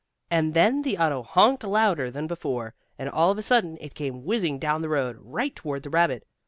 And then the auto honked louder than before, and all of a sudden it came whizzing down the road, right toward the rabbit.